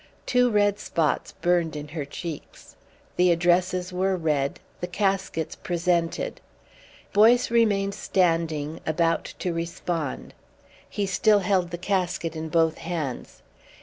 Two red spots burned in her cheeks. The addresses were read, the caskets presented. Boyce remained standing, about to respond. He still held the casket in both hands.